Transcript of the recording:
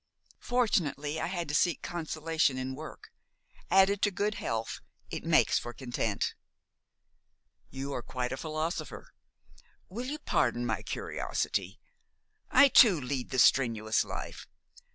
Fortunately, I had to seek consolation in work. Added to good health, it makes for content." "You are quite a philosopher. Will you pardon my curiosity? I too lead the strenuous life.